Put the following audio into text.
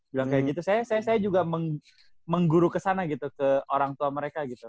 bilang kayak gitu saya juga mengguru kesana gitu ke orang tua mereka gitu